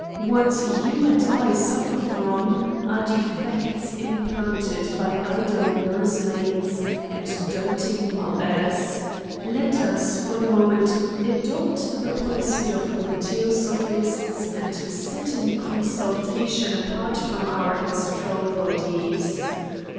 What you and I suffer from are defects implanted by idle nursemaids and doting mothers. Let us, for the moment, adopt the policy of the theosophists and sit in consultation apart from our astral bodies.